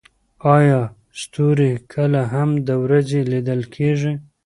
ایا ستوري کله هم د ورځې لیدل کیږي؟